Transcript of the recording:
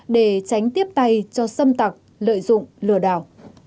để tránh tiếp tay cho xâm tặc lợi dụng lừa đảo